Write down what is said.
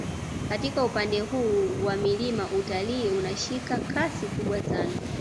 Katika upande huu wa milima utalii unashika kasi kubwa sana